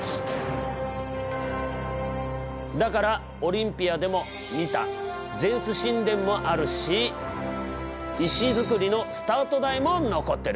だからオリンピアでも見たゼウス神殿もあるし石造りのスタート台も残ってる。